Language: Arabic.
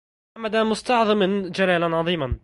حَمْدَ مُستعظمٍ جلالاً عظيماً